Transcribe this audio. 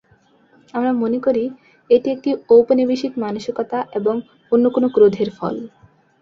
আমরা মনে করি, এটি একটি ঔপনিবেশিক মানসিকতা এবং অন্য কোনো ক্রোধের ফল।